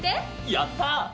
やったあ！